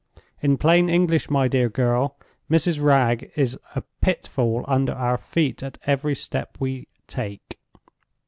In plain English, my dear girl, Mrs. Wragge is a pitfall under our feet at every step we take."